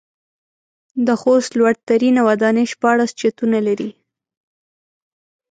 د خوست لوړ ترينه وداني شپاړس چتونه لري.